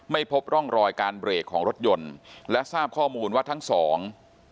ไม่พบร่องรอยการเบรกของรถยนต์และทราบข้อมูลว่าทั้งสอง